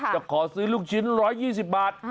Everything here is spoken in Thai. จะขอซื้อลูกชิ้น๑๒๐บาท